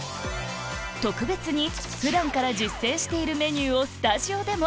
特別に普段から実践しているメニューをスタジオでも！